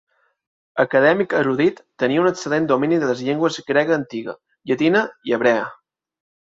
Acadèmic erudit, tenia un excel·lent domini de les llengües grega antiga, llatina i hebrea.